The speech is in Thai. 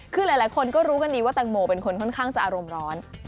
คือหลายคนก็รู้กันดีว่าแตงโมเป็นคนค่อนข้างจะอารมณ์ร้อน